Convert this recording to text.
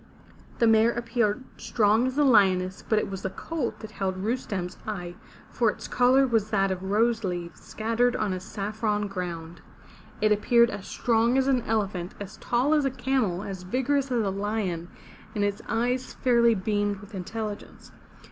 The mare appeared strong as a lioness, but it was the colt that held Rustem's eye, for its color was that of rose leaves, scattered on a saffron ground. It appeared as strong as an elephant, as tall as a camel, as vigorous as a lion, and its eyes fairly beamed with intelligence.